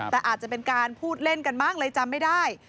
แต่อาจจะเป็นการพูดเล่นกันบ้างเลยจำไม่ได้